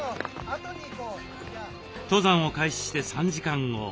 登山を開始して３時間後。